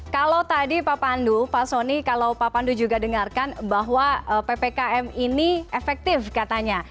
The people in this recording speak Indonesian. kalau tadi pak pandu pak soni kalau pak pandu juga dengarkan bahwa ppkm ini efektif katanya